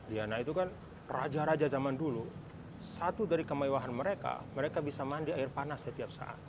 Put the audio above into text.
ya nah itu kan raja raja zaman dulu satu dari kemewahan mereka mereka bisa mandi air panas setiap saat